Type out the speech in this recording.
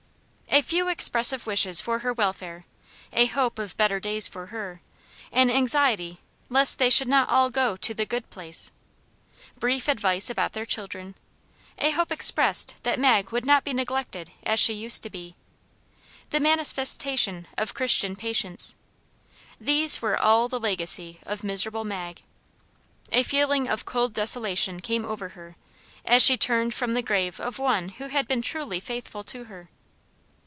A few expressive wishes for her welfare; a hope of better days for her; an anxiety lest they should not all go to the "good place;" brief advice about their children; a hope expressed that Mag would not be neglected as she used to be; the manifestation of Christian patience; these were ALL the legacy of miserable Mag. A feeling of cold desolation came over her, as she turned from the grave of one who had been truly faithful to her.